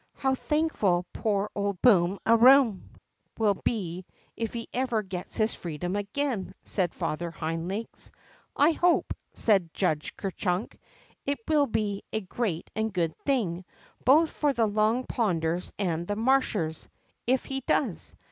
How thankful poor old Boom a Room will be if ever he gets his freedom again," said Father Hind Legs. " I hope," said Judge Ker Chunk, it will be a THE WOUNDED AIR GIANT 49 great and good thing, both for the Long Ponders and the Marshers, if he does.